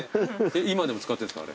今でも使ってるんですか？